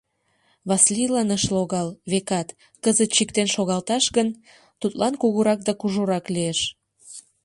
Васлийлан ыш логал, векат, кызыт чиктен шогалташ гын, тудлан кугурак да кужурак лиеш.